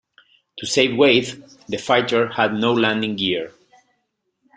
To save weight, the fighter had no landing gear.